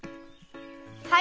はい。